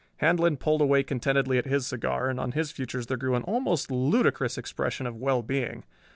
Handlon pulled away contentedly at his cigar, and on his features there grew an almost ludicrous expression of well being.